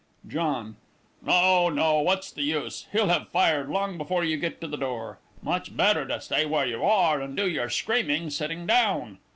JOHN. No, no what's the use? He'll have fired long before you get to the door. Much better stay where you are, and do your screaming sitting down.